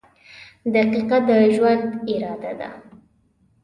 • دقیقه د ژوند اراده ده.